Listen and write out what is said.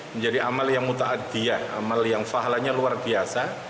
menjadi amal yang muta'adiyah amal yang fahlanya luar biasa